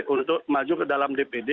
untuk maju ke dalam dpd